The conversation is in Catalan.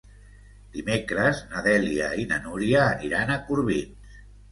Dimecres na Dèlia i na Núria aniran a Corbins.